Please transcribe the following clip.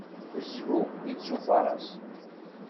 Zhu yettufaṛas.